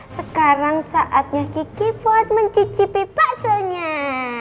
sekarang saatnya kiki buat mencicipi bakso nya